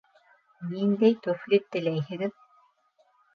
Ниндәй туфли теләйһегеҙ?